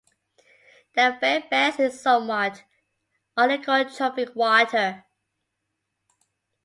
They fare best in somewhat oligotrophic water.